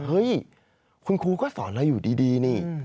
เฮ้ยคุณครูก็สอนเราอยู่ดีนี่